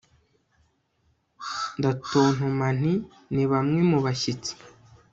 ndatontoma nti 'ni bamwe mu bashyitsi